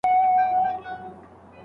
پلان د بریا لپاره مهم دی.